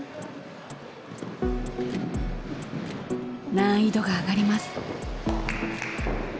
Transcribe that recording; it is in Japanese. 難易度が上がります。